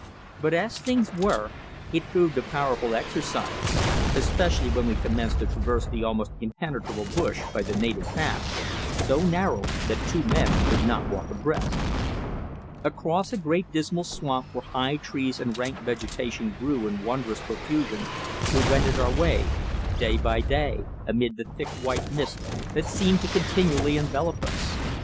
But as things were it proved a powerful exercise, especially when we commenced to traverse the almost impenetrable bush by the native path, so narrow that two men could not walk abreast. Across a great dismal swamp where high trees and rank vegetation grew in wondrous profusion we wended our way, day by day, amid the thick white mist that seemed to continually envelop us.